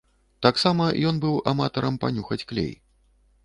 Таксама ён быў аматарам панюхаць клей.